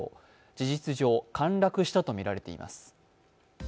事実上、陥落したとみられています。